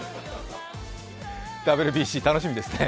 ＷＢＣ楽しみですね。